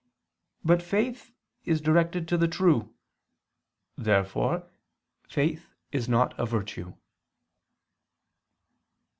But faith is directed to the true. Therefore faith is not a virtue.